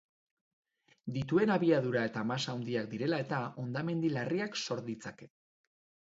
Dituen abiadura eta masa handiak direla-eta, hondamendi larriak sor ditzake.